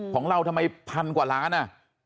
ของเราทำไมพันกว่าล้านอ่ะ